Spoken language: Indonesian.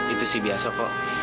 itu sih biasa kok